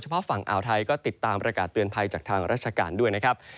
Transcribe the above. เพราะฝั่งอ่าวไทยก็ติดตามประกาศเตือนภัยจากทางราชการด้วยนะครับ